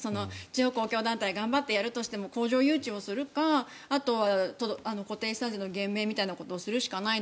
地方公共団体が頑張ってやるとしても工場を誘致するとかあとは固定資産税の減税みたいなことするしかない。